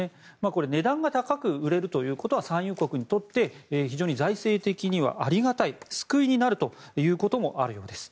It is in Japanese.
これ、値段が高く売れるということは産油国にとって非常に財政的にはありがたい救いになるということもあるようです。